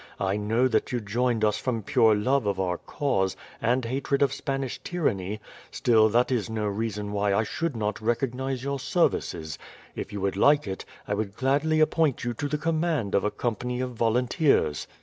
I know that you joined us from pure love of our cause and hatred of Spanish tyranny, still that is no reason why I should not recognize your services. If you would like it, I would gladly appoint you to the command of a company of volunteers."